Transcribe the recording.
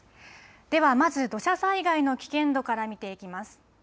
ではまず、土砂災害の危険度から見ていきます。